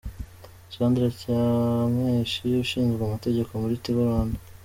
Sandra Cyamweshi ushinzwe amategeko muri Tigo Rwanda.